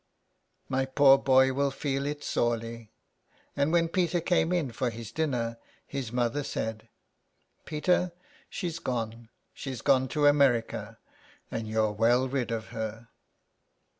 " My poor boy will feel it sorely." And when Peter came in for his dinner his mother said :—'' Peter, she's gone, she's gone to America, and you're well rid of her."